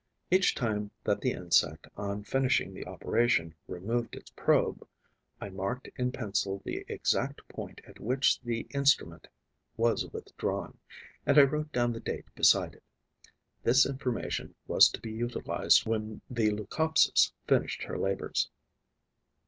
Each time that the insect, on finishing the operation, removed its probe, I marked in pencil the exact point at which the instrument was withdrawn; and I wrote down the date beside it. This information was to be utilized when the Leucopsis finished her labours.